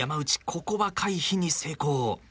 ここは回避に成功。